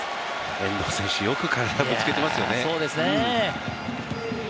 遠藤選手、よく体をぶつけていますよね。